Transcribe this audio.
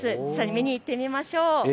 見に行ってみましょう。